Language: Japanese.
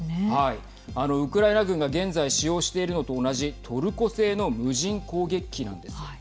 ウクライナ軍が現在使用しているのと同じトルコ製の無人攻撃機なんです。